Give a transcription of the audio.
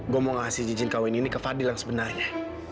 gue mau ngasih cincin kawin ini ke fadil yang sebenarnya